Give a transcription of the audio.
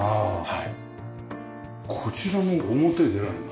こちらも表へ出られるの？